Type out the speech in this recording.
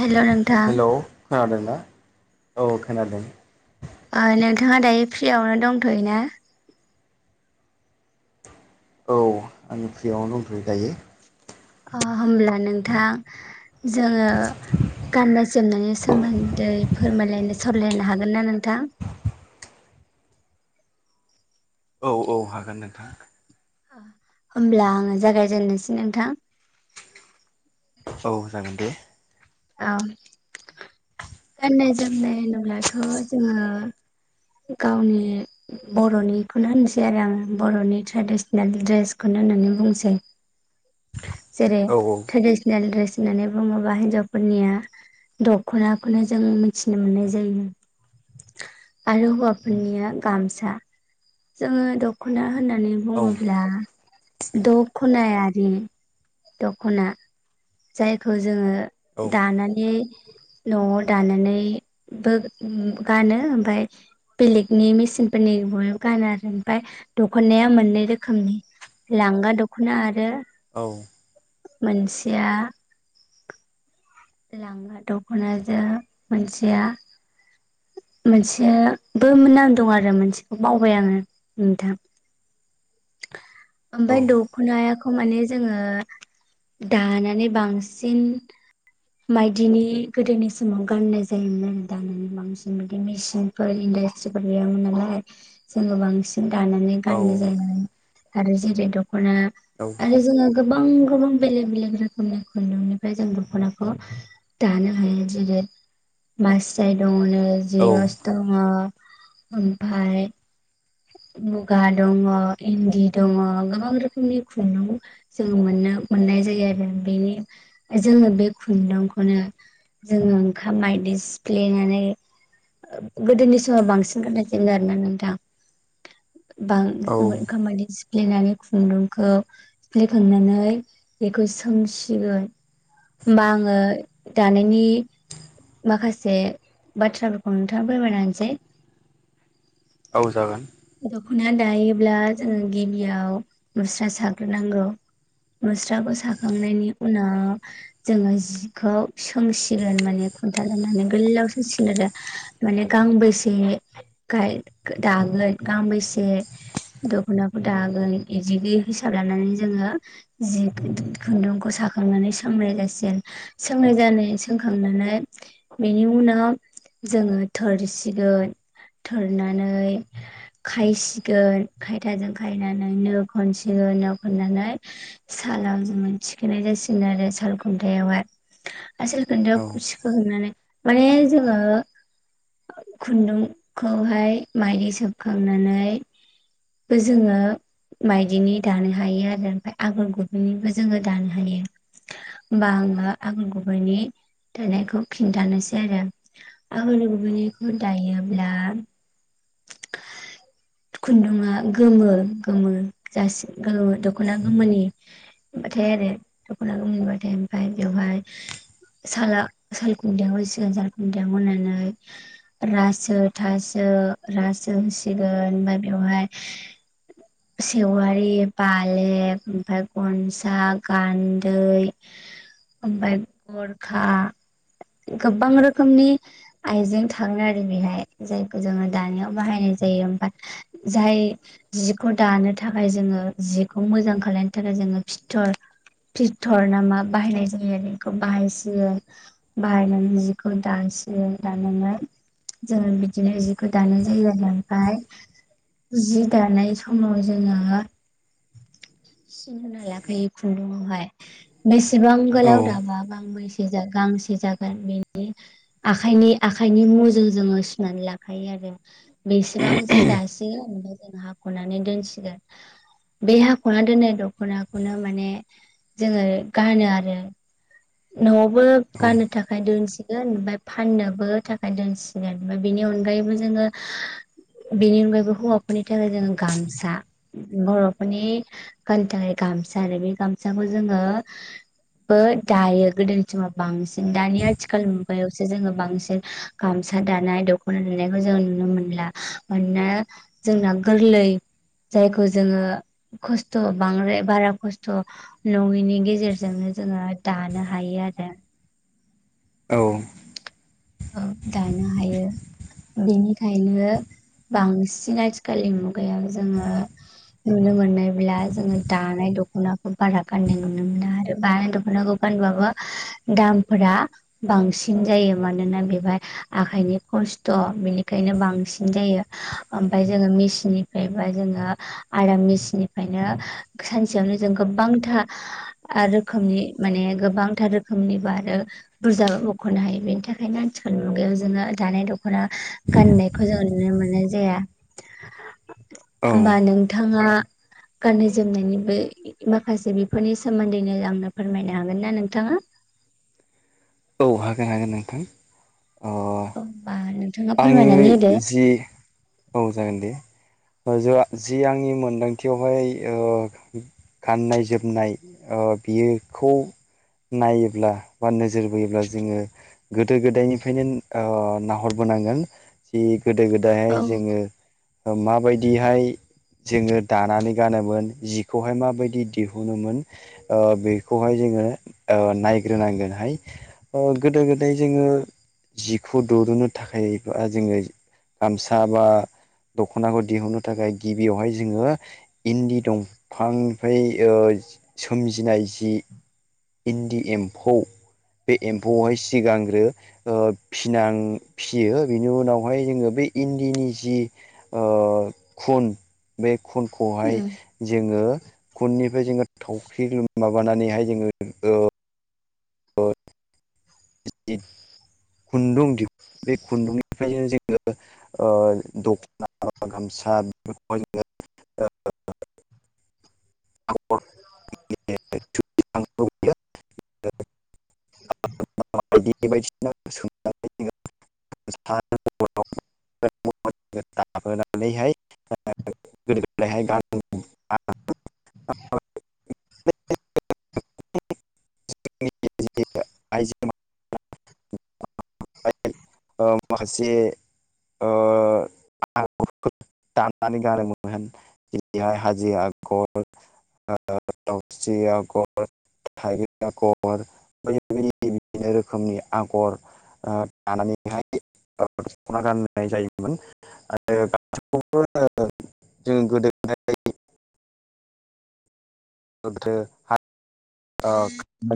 हेल' नोंथां। हेलौ खोनादोंना औ खोनादों। नोंथाङा दायो फ्रियावनो दंथ'योना? औ आं फ्रियावनोंथयो दंथ'यो दायो। होमब्ला नोंथां जोंङो गानाय। जोमनायनि सोमोन्दै फोरमायलायनो सावलायनो हागोन ना नोंथां? औ औ हागोन नोंथां। होमब्ला आङो जागायजेननोसै नोंथां। औ जागोन दे। औ गाननाय जोमनाय होनोब्लाथ' जोंङो। गावनि बर'निखौनो होनसै आरो आङो बर'नि ट्रेडिसनेल ड्रेसखौनो, होननानैनो बुंसै जेरै औ ट्रेडिसनेल द्रेस होनानै बुङोब्ला हिन्जावफोरनिया, दख'नाखौनो जों मिथिनो मोननाय जायो। आरो हौवाफोरनिया गामसा। जोंङो दख'ना होननानै औ बुङोब्ला दख खनायानो। दख'ना जायखौ जोंङो औ दानानै न'आव दानानै बो गानो ओमफफ्राय बेलेगनि मेसिनफोरनिबो गानो आरो ओमफ्राय दख'नाया मोननै रोखोमनि लांगा दख'ना आरो। औ मोनसेया लांनागा दख'ना जों मोनसेया। मोनसेबो नाम दं आरो मोनसेखौ बावबाय आङो नोंथां। ओमफाइ दानायाख खौ माने जोंङो दानानै बांसिन माइदिनि गोदोनि समाव गाननाय जायोमोन आरो दानानै बांसिन बायदि मेसिनफोर गैयामोन नालाय जोंबो बांसि -न दानानै गाननाय जायोमोन आरो जेरै दख'ना आरो जोङो गोबां गोबां बेलेग बेलेग रोखोमनि खुन्दुंनिफ्राय जों दख'नाखौ दानो हायो जेरै मास्राय दङ'नो ओ जिरस औ दङ' ओमफाय मुगा दङ' इन्दि दङ' गोबां रोखोमनि खुन्दुं जों मोननो मोननाय नाय जायो आरो बेनि जोङो बे खुन्दुंखौनो। जोङो ओंखाम मायदि सिफ्लेनानै गोदोनि समाव बांसिन गाननाय जोयोमोन आरोना नोंथां औ बांओं खामानिस फ्लेनानै खुन्दुंखौ सिफ्लेखांनानै बेखौ सोंसिगोन होमबा आङो दानायनि माखासे बाथ्राफोरखौ नोंथाङा फोरमायना होनसै औ जागोन ख'ना दायोब्ला जोङो गिबियाव मुस्रा साग्रोनांगौ मुस्राखौ साखांनायनि उनाव जोङो जिखौ सोंसिगोन माने खुन्था लुनानै गोलाव सोंसिगोन आरो माने गांबेसे गाय गो दागोन गांबेसे दख'नाखौ दागोन इबिदि हिसाब लानानै जोङो जि खुन्दुं-खुन्दुंखौ साखांनानै सोंनाय जासिगोन सोंनाय जानाय सोंखांना [unintelligible] बेनि उनाव जोङो थोरसिगोन थोरनानै [unintelligible] खायसिगोन खायथाजों खायनानै नो खनसिगोन नो खननानै साल [unintelligible] जोङो थिखोनाय जासिगोन आरो साल खुन्थायावहाय आसोल औ खोनदोखौ सिखो हैनानै माने जोङो खुन्दुंखौहाय माइदि सोबखांनानै बो जोङो माइदिनि दानो हायो आरो ओमफाय आगर गुबैनिबो जोङो दानो हायो होमबा आं मा आगर गुबैनि थोनायखौ खिन्थानोसै आरो। आगर औ गुबैनिखौ दायोब्ला [unintelligible] खुन्दुङा गोमो- गोमो जासि गोमो दख'ना गोमोनि [unintelligible] दख'नाखौ मोनबाथाय ओमफाय बेवहाय साला सालखुन्दिया हरसिगोन साल खुन्दिया हरनानै रासो थासो रासो होसिगोन ओमफाय बेवहाय सेवारि बालेक ओमफाय गनसा गान्दै ओमफाय गरखा गोबां रोखोमनि आइजें थाङो आरो बेहाय जायखौ जोङो दानायाव बाहायनाय जायो ओमबा जाय जिखौ दानो थाखाय जोङो जिखौ मोजां खालायनो थाखाय जोङो फिथर फिलथर नामा बाहायनाय जायो आरो इखौ बाहायसिगोन बाहायनानै जिखौ दान सि दानोनै जोंङो बिदिनो जिखौ दानाय जायो आरो ओमफाय जि दानाय समाव जोङो सिन होना लाखायो खुन्दुंआवहाय बेसेबां औ औ गोलाव दाबा गांबेस जेजा गांसे जागोन बेनि आखाइनि - आखाइनि मुजों जोङो सुनानै ला खायो आरो बेसेबां जे दासिगोन ओफाय जों हाख'नानै दोनसिगोन बे हाख'ना दोननाय दख'नाखौनो माने जोङो गानो आरो न'आवबो गाननो थाखाय दोनसि गोन ओमफाय फाननोबो थाखाय दोनसिगोन ओमफाय बेनि अनगायैबो जोङो बेनि अनगायैबो हौवाफोरनि थाखाय जोङो गामसा बर'फोरनि गाननो थाखाय गा गामसा आरो बे गामसाखौ जोङो बो दायो गोदोनि समाव बांसिन दानि आथिखाल मुगायावसो जोङो बांसिन गामसा दानाय दख'ना लुनायखौ जों नुनो मोनला मानोना जोंना गोरलै जायखौ जोङो खस्थ' बांद्राय बारा खस्थ' नङिनि गेजेरजोंनो जोङो दानो हायो आरो। औ दानो हायो बेनिखायनो। बांसिन आथिखाललि मुगायाव जोङो नुनो मोननायब्ला जोङो दानाय। दख'नाखौ बारा गाननाय नुनो मोना आरो बा दख'नाखौ गानबाबो दामफोरा बांसिन जायो मान मानोना बेवहाय आखाइनि खस्थ' बिनिखायनो बांसिन जायो ओमफ्रायाय जोङो मिन सिननिफ्राय बा जोङो आराम मेसिननिफ्रायनो सानसेयावनो जों गोबांथा ओ-रोखोमनि माने गोबांथार रोखोमनिबो आरो बुरजाबो मख'नो हायो बेनि थाख [unintelligible] आथिखालनि मुगायाव जोङो दानाय दख'ना गान्नायखौ जों। नुनो मोननाय जाया होमबा नोंथाङा। गाननाय-जोमनायनिबो माखासे बिफोरनि सोमोन्दैनो आंनो फोरमायनो हागोन ना नोंथाङा? [inaudible] औ हागोन-हागोन नोंथां। अ बा। आंनि जि औ जागोन दे। [inaudible] जो जि आंनि मोनदांथियावहाय ओ गाननाय-जोमनाय ओ। बियो खौ। नायोब्ला बा, नोजोर बोयोब्ला जोङो गोदो-गोदायनिफ्रायनो ओ नाहर। होबो नांगोन जि गोदो-गोदायहाय औ जोङो माबायदिहाय। जोङो दानानै गानोमोन जिखौहाय माबायदि दिहुनोमोन ओ बेखौहाय जों। ज ओ नायग्रोनांगोनहाय गोदो-गोदाय जोङो। जिखौ दुरुनो थाखाय बा जोङो गामसा बा। दख'नाखौ दिहुननो थाखाय गिबियावहाय जोङो इन्दि दंफां निफ्राय ओ। सोमजिनाय जि इन्दि एम्फौ। बे एम्फौआवहाय सिगांग्रो ओ फिनां। फियो बिनि उनावहाय जोङो बे इन्दिनि जि ओ खुन। बे खुनखौहाय उम जोङो। खुननिफ्राय जोङो थावख्रि माबानानैहाय जोङो ओ। [unintelligible] खुन्दुं दिहुन बे खुन्दुंनिफ्रायनो जों। [unintelligible] ओ दख'ना गामसा बेफोरखौहाय जोङो। [inaudible] [inaudible] [inaudible] [inaudible] लाबोनानैहाय गोदो-गोदायहाय गान [inaudible] [inaudible] [inaudible] आइजो। [inaudible] ओ माखासे ओ आ। दाननानै गानोमोन होन जेरैहाय हाजो आगर। [inaudible] आगर थाइ आगर। बिनो रोखोमनि आगर ओ दानानैहाय। ओ सना गाननाय जायोमोन आरो [inaudible] जों गोदो-गोदाय। [unintelligible] [inaudible]